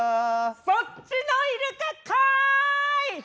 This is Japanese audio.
そっちのイルカかい！